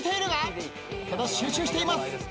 ただ集中しています。